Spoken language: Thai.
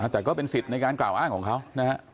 แต่ก็เป็นสิทธิ์ในการกล่าวอ้างของเขานะฮะ